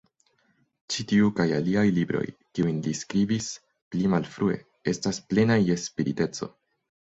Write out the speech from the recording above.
Ĉi tiu kaj aliaj libroj, kiujn li skribis pli malfrue, estas plenaj je spiriteco.